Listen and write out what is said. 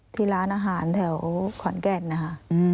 ที่ร้านอาหารแถวขอนแก่นนะคะ